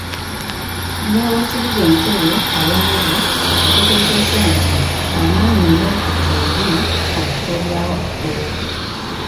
Mmeeya w'ekibuga Entebe, Kayanja, ategeezezza nti amaanyi Nuupu gyeri ku bifo ebyawaggulu .